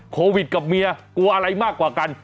โควิดกับเมียกลัวอะไรมากกว่ากัน